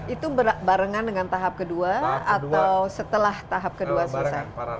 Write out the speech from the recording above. itu barengan dengan tahap kedua atau setelah tahap kedua selesai